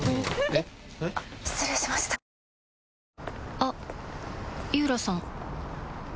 あっ井浦さん